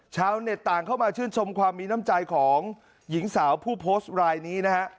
ชาวเน็ตต่างเข้ามาชื่นชมความมีน้ำใจของหญิงสาวผู้โพสต์รายนี้นะฮะ